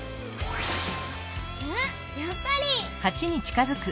あやっぱり！